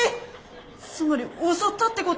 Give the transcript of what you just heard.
つまり襲ったってこと？